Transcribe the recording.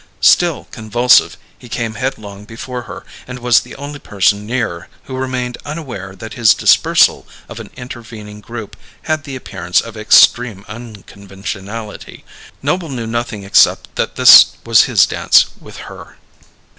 Still convulsive, he came headlong before her, and was the only person near who remained unaware that his dispersal of an intervening group had the appearance of extreme unconventionality. Noble knew nothing except that this was his dance with Her.